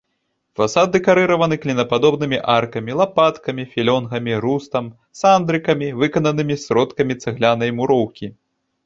Фасад дэкарыраваны клінападобнымі аркамі, лапаткамі, філёнгамі, рустам, сандрыкамі, выкананымі сродкамі цаглянай муроўкі.